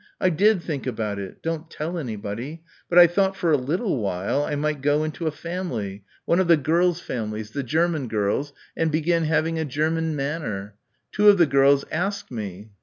I did think about it. Don't tell anybody. But I thought for a little while I might go into a family one of the girls' families the German girls, and begin having a German manner. Two of the girls asked me.